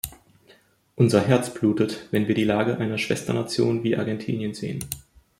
Unser Herz blutet, wenn wir die Lage einer Schwesternation wie Argentinien sehen.